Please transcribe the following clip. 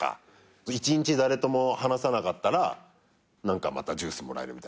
１日誰とも話さなかったらまたジュースもらえるみたいな。